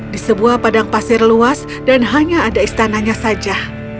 di sebuah padang pasir luas dan hanya ada istananya saja